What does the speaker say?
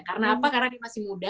karena apa karena dia masih muda